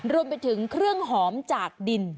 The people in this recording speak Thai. รวมไปถึงเครื่องหอมจากดิน